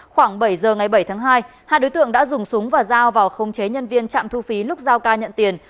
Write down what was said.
khoảng bảy giờ ngày bảy tháng hai hai đối tượng đã dùng súng và giao vào không chế nhân viên trạm thu phí lúc giao ca nhận tiền